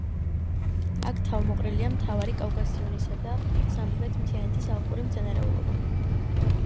აქ თავმოყრილია მთავარი კავკასიონისა და სამხრეთ მთიანეთის ალპური მცენარეულობა.